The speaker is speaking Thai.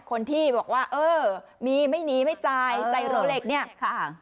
คนที่บอกว่าเออมีไม่หนีไม่จ่ายไซโรเล็กเนี่ยค่ะ